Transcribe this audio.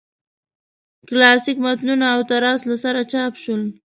کلاسیک متنونه او تراث له سره چاپ شول.